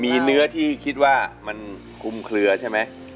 มีเนื้อที่คิดว่ามันคุมเคลือใช่ไหม